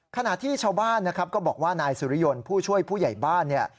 ขณะที่ชาวบ้านนะครับก็บอกว่านายสุริยนต์ผู้ช่วยผู้ใหญ่บ้านเนี่ย